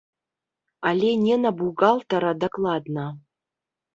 Але не на бухгалтара дакладна.